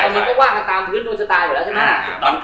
มันก็ว่ากันตามพื้นโดนสไตล์อยู่แล้วใช่มั้ย